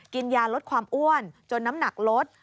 กินยาลดความอ้วนจนน้ำหนักลด